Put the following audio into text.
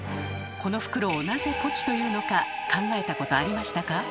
この袋をなぜ「ぽち」と言うのか考えたことありましたか？